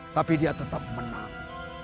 tapi dia tetap menang